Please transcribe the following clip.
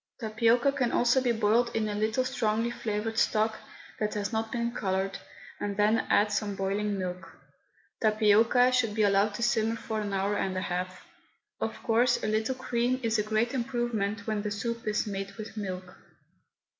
Tapioca can also be boiled in a little strongly flavoured stock that has not been coloured, and then add some boiling milk. Tapioca should be allowed to simmer for an hour and a half. Of course, a little cream is a great improvement when the soup is made with milk.